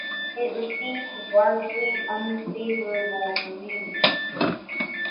It received largely unfavorable reviews.